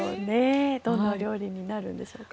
どんなお料理になるんでしょうか。